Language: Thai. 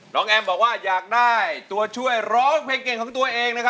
แอมบอกว่าอยากได้ตัวช่วยร้องเพลงเก่งของตัวเอง